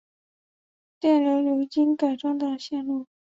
电流流经改装的线路